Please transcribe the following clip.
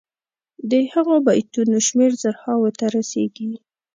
د هغو بیتونو شمېر زرهاوو ته رسيږي.